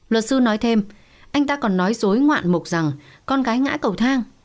luật sư nói thêm anh ta còn nói dối ngoạn mục rằng con gái ngã cầu thang